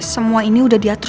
semua ini udah diatur